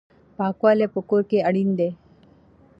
پاکوالی په کور کې اړین دی.